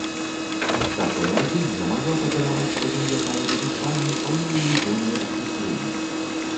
Такое адзенне магла падараваць тады якая-небудзь пані сваёй улюбёнай ахмістрыні.